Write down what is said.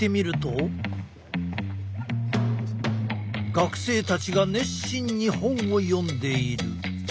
学生たちが熱心に本を読んでいる。